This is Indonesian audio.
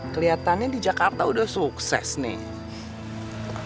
kelihatannya di jakarta udah sukses nih